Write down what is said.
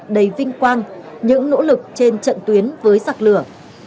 đầy vinh quang những nỗ lực trên trận tuyến với giặc lửa